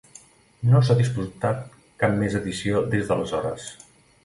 No s'ha disputat cap més edició des d'aleshores.